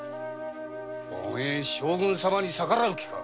おめえ将軍様に逆らう気か！